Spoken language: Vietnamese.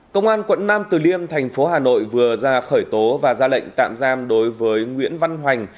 công an quận nam từ liêm thành phố hà nội vừa ra khởi tố và ra lệnh tạm giam đối với nguyễn văn hoành